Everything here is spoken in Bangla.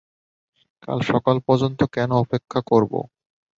কাল সকাল পর্যন্ত কেন অপেক্ষা করব?